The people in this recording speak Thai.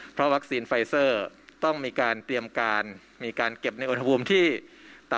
เพราะวัคซีนไฟเซอร์ต้องมีการเตรียมการมีการเก็บในอุณหภูมิที่ต่ำ